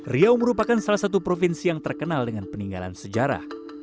riau merupakan salah satu provinsi yang terkenal dengan peninggalan sejarah